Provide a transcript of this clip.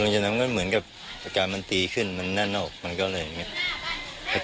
ฉะนั้นก็เหมือนกับอาการมันตีขึ้นมันแน่นออกมันก็เลยอย่างนี้